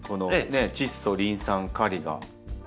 チッ素リン酸カリが。